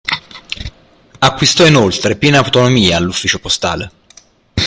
Acquistò inoltre piena autonomia l'ufficio postale.